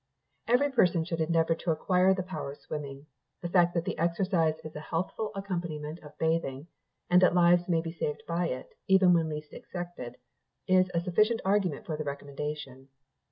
Every person should endeavour to acquire the power of swimming. The fact that the exercise is a healthful accompaniment of bathing, and that lives may be saved by it, even when least expected, is a sufficient argument for the recommendation.